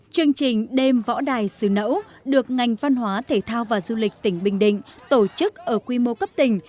chương trình đêm võ đài xứ nẫu được ngành văn hóa thể thao và du lịch tỉnh bình định tổ chức ở quy mô cấp tỉnh